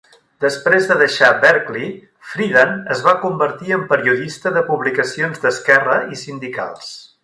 Després de deixar Berkeley, Friedan es va convertir en periodista de publicacions d'esquerra i sindicals.